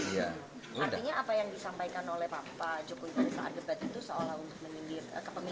artinya apa yang disampaikan oleh pak joko widodo saat debat itu